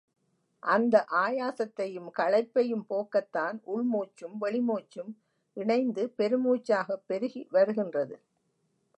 அந்த ஆயாசத்தையும் களைப்பையும் போக்கத்தான் உள் மூச்சும் வெளிமூச்சும் இணைந்து பெருமூச்சாகப் பெருகி வருகின்றது.